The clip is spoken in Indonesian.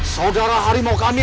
saudara harimau kami